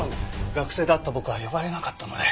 学生だった僕は呼ばれなかったので。